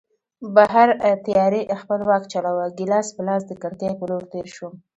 بهر تیارې خپل واک چلاوه، ګیلاس په لاس د کړکۍ په لور تېر شوم.